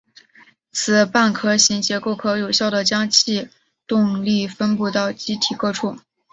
此半壳型结构可有效的将气动力分布到机体各处。